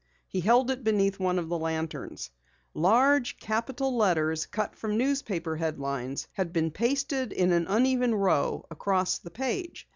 He held it beneath one of the lanterns. Large capital letters cut from newspaper headlines had been pasted in an uneven row across the page.